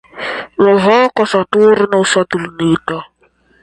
Kantona ĉefurbo estas Canton.